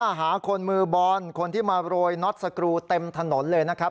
หาคนมือบอลคนที่มาโรยน็อตสกรูเต็มถนนเลยนะครับ